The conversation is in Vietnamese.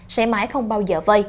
sẽ mãi không bao giờ vây